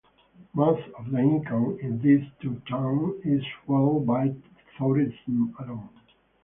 Most of the income in these two towns is fueled by tourism alone.